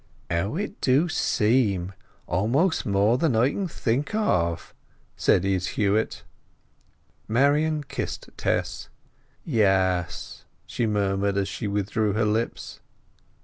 "How it do seem! Almost more than I can think of!" said Izz Huett. Marian kissed Tess. "Yes," she murmured as she withdrew her lips.